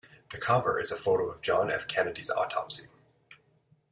The cover is a photo of John F. Kennedy's autopsy.